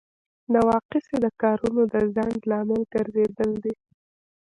نواقص یې د کارونو د ځنډ لامل ګرځیدل دي.